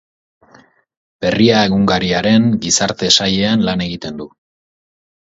Berria egunkariaren Gizarte sailean lan egiten du.